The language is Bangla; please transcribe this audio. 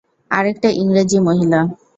আরেকটা ইংরেজি মহিলা।